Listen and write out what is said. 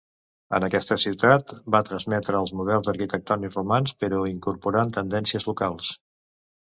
En aquesta ciutat va transmetre els models arquitectònics romans, però incorporant tendències locals.